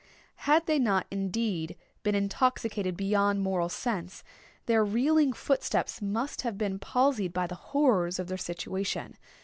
Had they not, indeed, been intoxicated beyond moral sense, their reeling footsteps must have been palsied by the horrors of their situation.